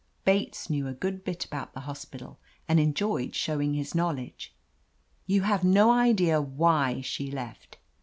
Bates knew a good bit about the hospital, and enjoyed showing his knowledge. You have no idea why she left